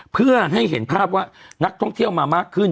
เพื่อให้เห็นภาพว่านักท่องเที่ยวมามากขึ้น